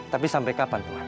tapi sampai kapan tuan